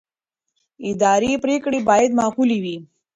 اداري پرېکړې باید معقولې وي.